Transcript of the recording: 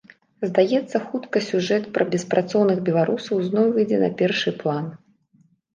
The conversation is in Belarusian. Здаецца, хутка сюжэт пра беспрацоўных беларусаў зноў выйдзе на першы план.